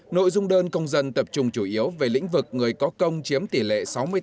nội dung đơn công dân tập trung chủ yếu về lĩnh vực người có công chiếm tỷ lệ sáu mươi tám sáu mươi sáu